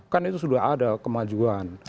kan itu sudah ada kemajuan